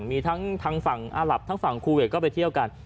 มีทั้งทางฝั่งอาหลับทั้งฝั่งคูเวทก็ไปเที่ยวกัน